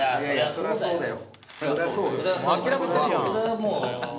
そりゃそうよ。